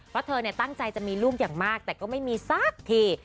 เพราะเธอตั้งใจจะมีลูกอย่างมากแต่ก็ไม่มีสักที